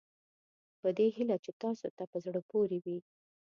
په دې هیله چې تاسوته په زړه پورې وي.